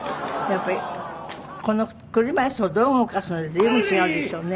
やっぱりこの車いすをどう動かすので随分違うでしょうね。